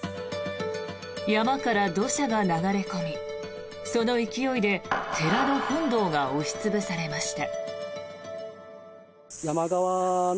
山から土砂が流れ込みその勢いで寺の本堂が押し潰されました。